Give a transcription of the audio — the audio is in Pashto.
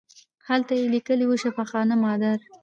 هلته یې لیکلي وو شفاخانه مادر.